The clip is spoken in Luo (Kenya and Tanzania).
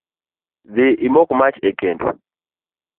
Dhi imok mach e kendo